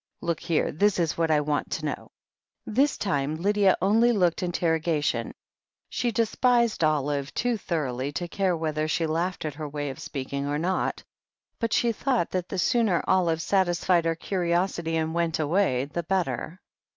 Look here, this is what I want to know." This time Lydia only looked interrogation. She despised Olive too thoroughly to care whether she laughed at her way of speaking or not, but she thought THE HEEL OF ACHILLES 53 that the sooner Olive satisfied her curiosity and went away the better.